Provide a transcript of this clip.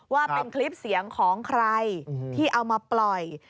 ว่าเป็นคลิปเสียงของใครที่เอามาปล่อย